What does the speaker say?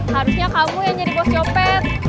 harusnya kamu yang jadi bos copet